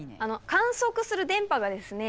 観測する電波がですね